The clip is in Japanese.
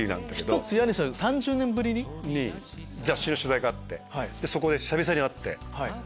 『ひとつ屋根の下』の３０年ぶりに⁉雑誌の取材があってそこで久々に会って。